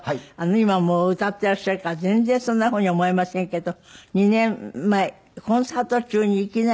今も歌っていらっしゃるから全然そんなふうに思えませんけど２年前コンサート中にいきなり倒れたんですって？